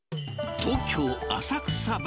東京・浅草橋。